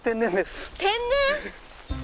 天然！？